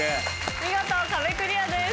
見事壁クリアです。